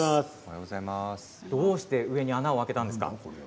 どうして上に穴を開けたんですか。